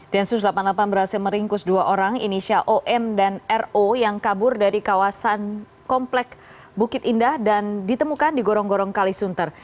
densus delapan puluh delapan berhasil meringkus dua orang inisial om dan ro yang kabur dari kawasan komplek bukit indah dan ditemukan di gorong gorong kalisunter